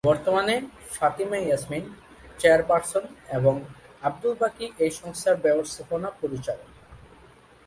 বর্তমানে ফাতিমা ইয়াসমিন চেয়ারপারসন এবং আব্দুল বাকী এই সংস্থার ব্যবস্থাপনা পরিচালক।